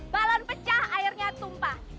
balon pecah airnya tumpah